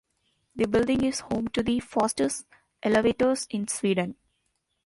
The building is home to the fastest elevators in Sweden.